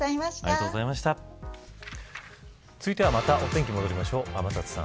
続いては、またお天気に戻りましょう。